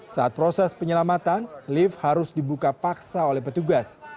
saat proses penyelamatan lift harus dibuka paksa oleh petugas